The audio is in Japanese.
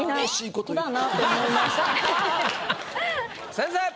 先生！